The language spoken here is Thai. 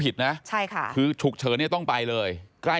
พบหน้าลูกแบบเป็นร่างไร้วิญญาณ